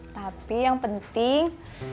tapi yang penting